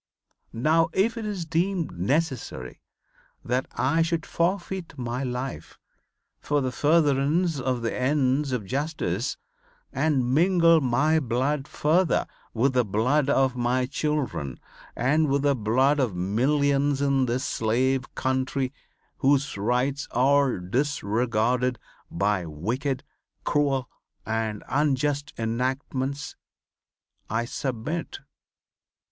Now if it is deemed necessary that I should forfeit my life for the furtherance of the ends of justice, and mingle my blood further with the blood of my children and with the blood of millions in this slave country whose rights are disregarded by wicked, cruel and unjust enactments, I submit.